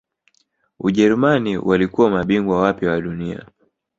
ujerumani walikuwa mabingwa wapya wa dunia